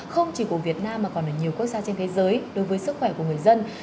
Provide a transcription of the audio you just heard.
không chỉ của việt nam mà còn ở nhiều quốc gia trên thế giới đối với sức khỏe của người dân